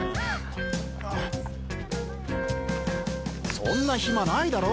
そんな暇ないだろ！